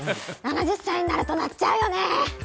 ７０歳になると、鳴っちゃうよね。